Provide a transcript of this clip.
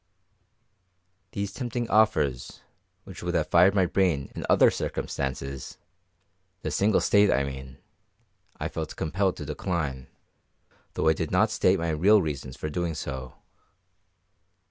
These tempting offers, which would have fired my brain in other circumstances the single state, I mean I felt compelled to decline, though I did not state my real reasons for doing so.